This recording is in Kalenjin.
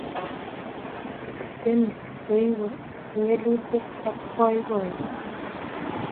tenisi koibu kewelutik Ak poipoiyet